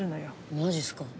マジっすか。